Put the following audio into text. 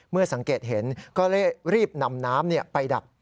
เมื่อสังเกตเห็นก็เลยรีบนำน้ำไปดับ